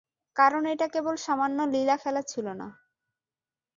কারন এটা কেবল সামান্য লীলাখেলা ছিল না।